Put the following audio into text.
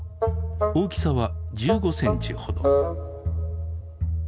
大きさは１５センチほど。